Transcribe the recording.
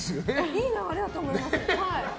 いい流れだと思います。